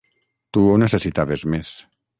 Tu ho necessitaves més.